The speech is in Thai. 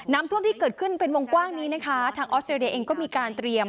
น้ำท่วมที่เกิดขึ้นเป็นวงกว้างนี้นะคะทางออสเตรเลียเองก็มีการเตรียม